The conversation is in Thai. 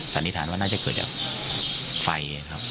สันนิษฐานว่าน่าจะเกิดจากไฟครับ